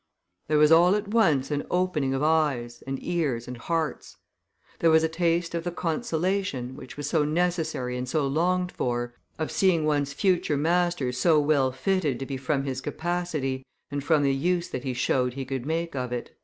There was all at once an opening of eyes, and ears, and hearts. There was a taste of the consolation, which was so necessary and so longed for, of seeing one's future master so well fitted to be from his capacity and from the use that he showed he could make of it."